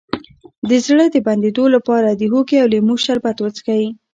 د زړه د بندیدو لپاره د هوږې او لیمو شربت وڅښئ